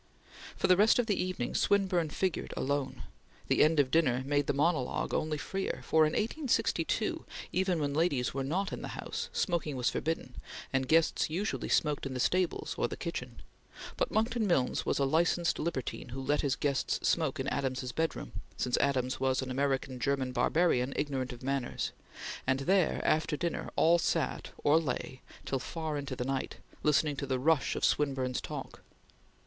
For the rest of the evening Swinburne figured alone; the end of dinner made the monologue only freer, for in 1862, even when ladies were not in the house, smoking was forbidden, and guests usually smoked in the stables or the kitchen; but Monckton Milnes was a licensed libertine who let his guests smoke in Adams's bedroom, since Adams was an American German barbarian ignorant of manners; and there after dinner all sat or lay till far into the night, listening to the rush of Swinburne's talk.